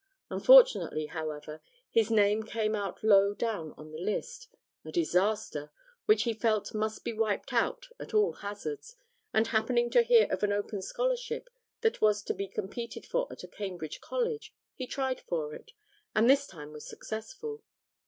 Unfortunately, however, his name came out low down on the list a disaster which he felt must be wiped out at all hazards, and, happening to hear of an open scholarship that was to be competed for at a Cambridge college, he tried for it, and this time was successful.